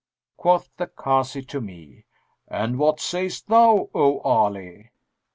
Quoth the Kazi to me, 'And what sayst thou, O Ali?'